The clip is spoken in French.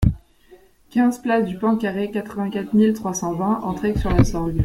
quinze place du Pan Carré, quatre-vingt-quatre mille trois cent vingt Entraigues-sur-la-Sorgue